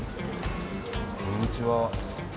こんにちは。